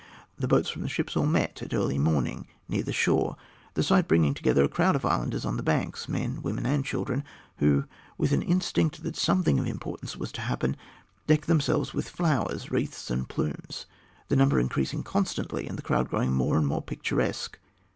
The boats from the ships all met at early morning, near the shore, the sight bringing together a crowd of islanders on the banks; men, women, and children, who, with an instinct that something of importance was to happen, decked themselves with flowers, wreaths, and plumes, the number increasing constantly and the crowd growing more and more picturesque.